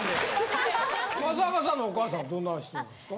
益若さんのお母さんはどんな人なんですか？